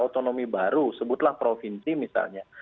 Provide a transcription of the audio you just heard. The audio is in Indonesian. otonomi baru sebutlah provinsi misalnya